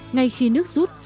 ngay khi nước rút